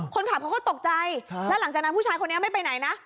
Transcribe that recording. คนขับเขาก็ตกใจแล้วหลังจากนั้นผู้ชายคนนี้ไม่ไปไหนนะ